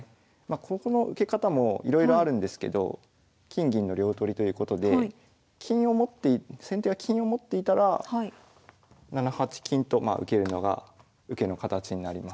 ここの受け方もいろいろあるんですけど金銀の両取りということで先手が金を持っていたら７八金と受けるのが受けの形になります。